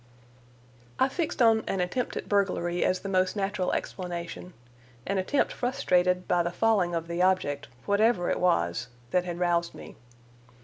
I fixed on an attempt at burglary, as the most natural explanation—an attempt frustrated by the falling of the object, whatever it was, that had roused me.